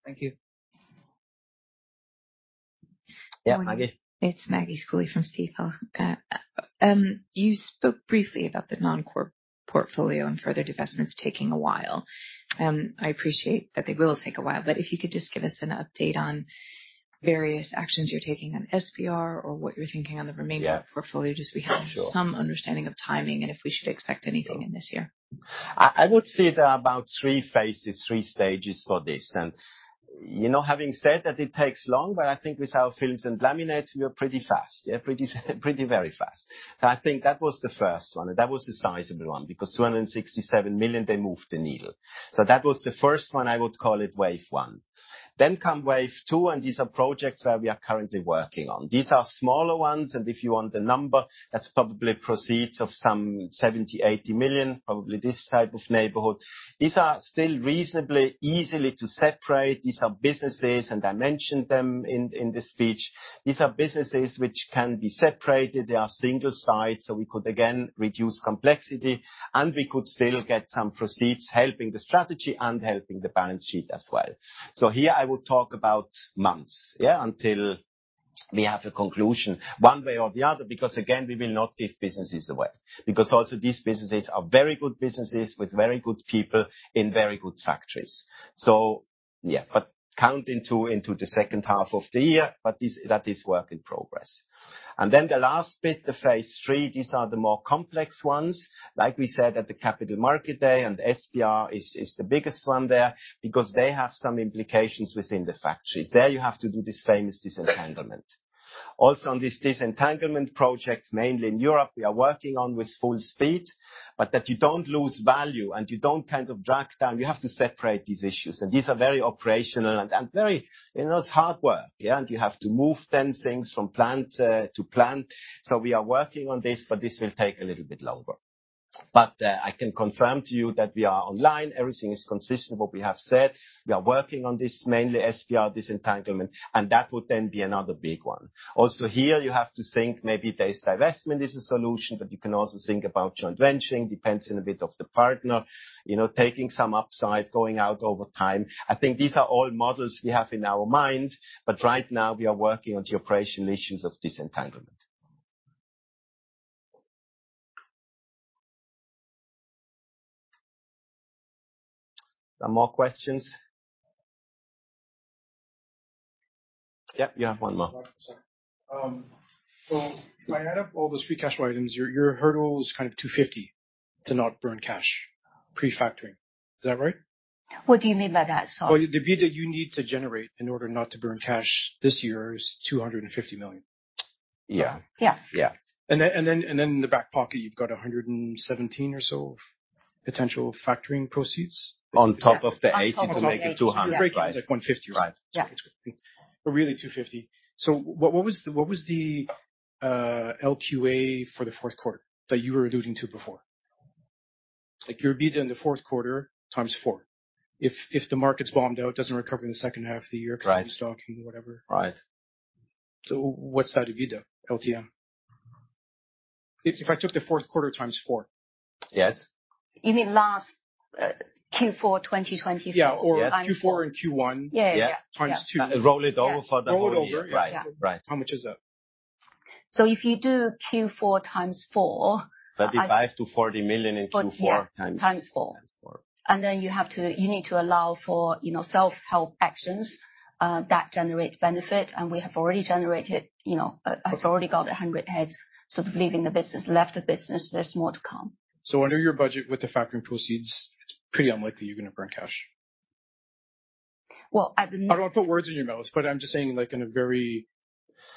Thank you. Yeah, Maggie. It's Maggie Schooley from Stifel. You spoke briefly about the non-core portfolio and further divestments taking a while. I appreciate that they will take a while, but if you could just give us an update on various actions you're taking on SPR or what you're thinking on the remaining... Yeah. Portfolio, just so we have- For sure. some understanding of timing and if we should expect anything in this year. I would say there are about three phases, three stages for this. You know, having said that it takes long, but I think with our Films and Laminates, we are pretty fast. Yeah, pretty very fast. I think that was the first one, and that was the sizable one because $267 million, they moved the needle. That was the first one. I would call it wave one. Come wave two, and these are projects where we are currently working on. These are smaller ones, and if you want the number, that's probably proceeds of some $70 million-$80 million, probably this type of neighborhood. These are still reasonably easily to separate. These are businesses, and I mentioned them in the speech. These are businesses which can be separated. They are single sites. We could again reduce complexity, and we could still get some proceeds helping the strategy and helping the balance sheet as well. Here I will talk about months until we have a conclusion one way or the other, because, again, we will not give businesses away. Also these businesses are very good businesses with very good people in very good factories. Count into the second half of the year. That is work in progress. The last bit, the phase three, these are the more complex ones. Like we said at the Capital Market Day and SPR is the biggest one there because they have some implications within the factories. There, you have to do this famous disentanglement. On this disentanglement projects, mainly in Europe, we are working on with full speed, but that you don't lose value and you don't kind of drag down. You have to separate these issues. These are very operational and very. You know, it's hard work, yeah? You have to move then things from plant to plant. We are working on this, but this will take a little bit longer. I can confirm to you that we are online. Everything is consistent what we have said. We are working on this, mainly SPR disentanglement, and that would then be another big one. Here, you have to think maybe this divestment is a solution, but you can also think about joint venturing, depends in a bit of the partner. You know, taking some upside, going out over time. I think these are all models we have in our mind, but right now we are working on the operational issues of disentanglement. No more questions? Yep, you have one more. Sorry. If I add up all those free cash flow items, your hurdle is kind of 250 to not burn cash pre-factoring. Is that right? What do you mean by that, sorry? Well, the EBITDA you need to generate in order not to burn cash this year is 250 million. Yeah. Yeah. Yeah. In the back pocket, you've got 117 or so of potential factoring proceeds. On top of the 80 to make it 200. On top of the GBP 80. Yeah. Breaking like 150 or so. Right. Yeah. Really 250. What was the LQA for the fourth quarter that you were alluding to before? Like, your EBITDA in the fourth quarter times four. If the market's bombed out, it doesn't recover in the second half of the year... Right. Because of stocking or whatever. Right. What's that EBITDA, LTM? If I took the fourth quarter times four. Yes. You mean last, Q4, 2024? Yeah. Yes. Q4 and Q1. Yeah. Yeah. Yeah. Times two. Roll it over for the whole year. Roll it over. Yeah. Right. Right. How much is that? If you do Q4 times four... 35 million-40 million in Q4. Yeah. Times four. Times four. Times four. Then you need to allow for, you know, self-help actions that generate benefit. We have already generated, you know, I've already got 100 heads sort of leaving the business, left the business. There's more to come. Under your budget with the factoring proceeds, it's pretty unlikely you're gonna burn cash. Well, I mean. I don't wanna put words in your mouth, but I'm just saying, like, in a very,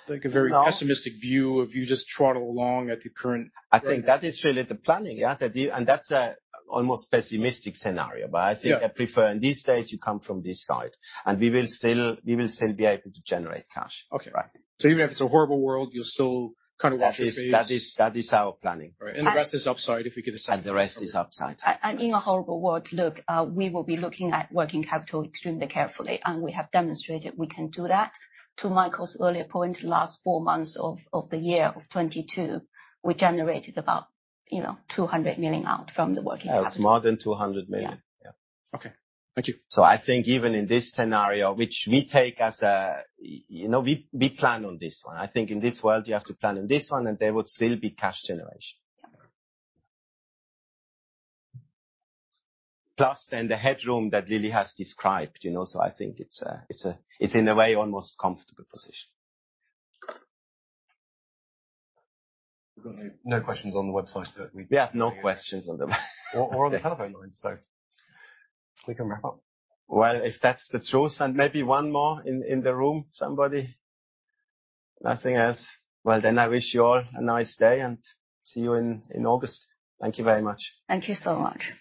like, a very pessimistic view of you just troddle along at the current rate. I think that is really the planning. Yeah, that's a almost pessimistic scenario. Yeah. I think I prefer in these days you come from this side, and we will still be able to generate cash. Okay. Right. Even if it's a horrible world, you'll still kinda watch your P's. That is our planning. All right. And- The rest is upside if we could. The rest is upside. In a horrible world, look, we will be looking at working capital extremely carefully, and we have demonstrated we can do that. To Michael's earlier point, last four months of the year 2022, we generated about, you know, 200 million out from the working capital. It's more than 200 million. Yeah. Yeah. Okay. Thank you. I think even in this scenario, which we take. You know, we plan on this one. I think in this world, you have to plan on this one, and there would still be cash generation. Yeah. The headroom that Lily has described, you know. I think it's a, it's in a way almost comfortable position. We've got no questions on the website. We have no questions on the website. On the telephone line, so we can wrap up. If that's the truth, and maybe one more in the room, somebody. Nothing else. I wish you all a nice day and see you in August. Thank you very much. Thank you so much.